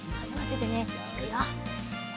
いくよ！